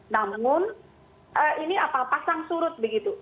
namun ini pasang surut begitu